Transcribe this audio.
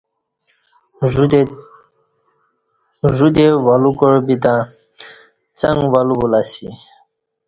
ژوتے ولو کاع بِتں څنگ ولو بُلہ اسی